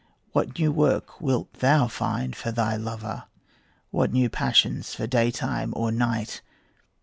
What new work wilt thou find for thy lover, What new passions for daytime or night?